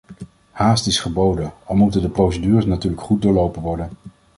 Haast is geboden, al moeten de procedures natuurlijk goed doorlopen worden.